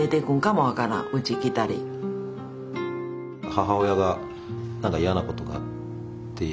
母親が何か嫌なことがあってしくしく